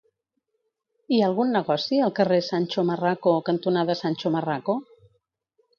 Hi ha algun negoci al carrer Sancho Marraco cantonada Sancho Marraco?